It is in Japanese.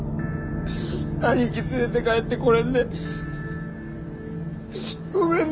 兄貴連れて帰ってこれんでごめんな。